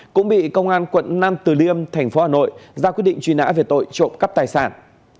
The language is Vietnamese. cũng bị công an quận nam từ liêm thành phố hà nội ra quyết định truy nã về tội trộm cắp tài sản